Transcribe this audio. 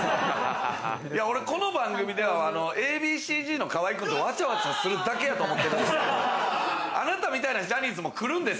俺この番組ではＡ．Ｂ．Ｃ−Ｚの河合君とわちゃわちゃするだけやと思ってるんで。